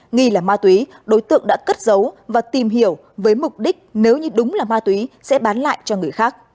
nghi là ma túy đối tượng đã cất giấu và tìm hiểu với mục đích nếu như đúng là ma túy sẽ bán lại cho người khác